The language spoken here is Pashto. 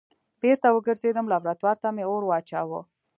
بېرته وګرځېدم لابراتوار ته مې اور واچوه.